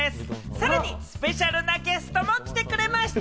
さらにスペシャルなゲストが来てくれました。